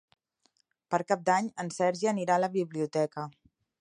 Per Cap d'Any en Sergi anirà a la biblioteca.